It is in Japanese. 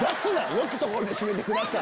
「よきところで締めてください」。